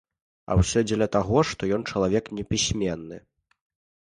А ўсё дзеля таго, што ён чалавек непісьменны.